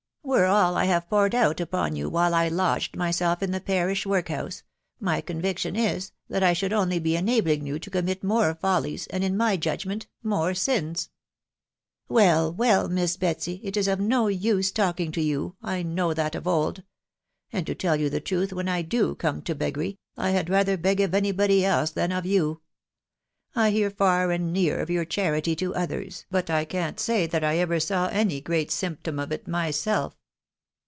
.... Were all I have poured out upon you, while I lodged5 myself in the parish workhouse, my conviction is, that I should1 only be enabling you to commit more follies, and, in my judgment, more sins." " Well, well, Miss Betsy, it is of no use talking to you — I know that of old ; and to tell you the truth, when I do come to beggary, 1 had rather beg of any body else than of you. I hear far and near of your charity to others, but I can't say that I ever saw any great symptom of it myself."